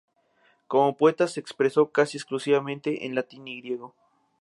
Como poeta se expresó casi exclusivamente en latín y griego.